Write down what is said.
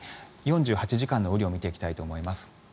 ４８時間の雨量を見ていきたいと思います。